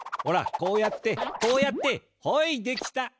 ほらこうやってこうやってほいできた！